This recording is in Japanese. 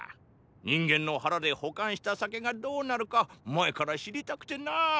人間の腹で保管した酒がどうなるか前から知りたくてな。